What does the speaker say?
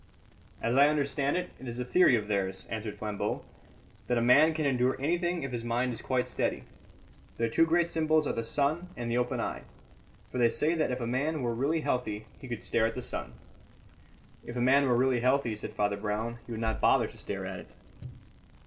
"As I understand it, it is a theory of theirs," answered Flambeau, "that a man can endure anything if his mind is quite steady. Their two great symbols are the sun and the open eye; for they say that if a man were really healthy he could stare at the sun." "If a man were really healthy," said Father Brown, "he would not bother to stare at it."